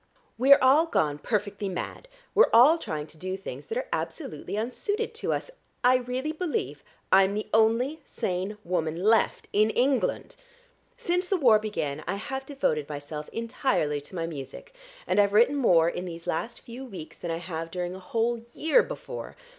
We're all gone perfectly mad; we're all trying to do things that are absolutely unsuited to us. I really believe I'm the only sane woman left in England. Since the war began I have devoted myself entirely to my music, and I've written more in these last few weeks than I have during a whole year before.